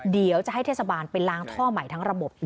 เดี๋ยวจะให้เทศบาลไปล้างท่อใหม่ทั้งระบบ